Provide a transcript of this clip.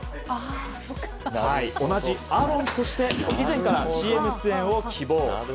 同じアロンとして以前からＣＭ出演を希望。